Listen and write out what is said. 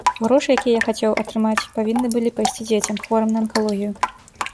Грошы, якія я хацеў атрымаць, павінны былі пайсці дзецям, хворым на анкалогію.